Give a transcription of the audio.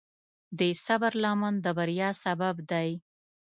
د صبر لمن د بریا سبب دی.